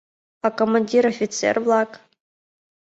А командир, офицер-влак?